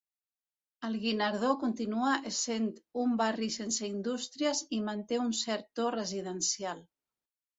El Guinardó continua essent un barri sense indústries i manté un cert to residencial.